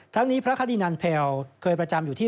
ทั้งนี้พระคดีนันเพลเคยประจำอยู่ที่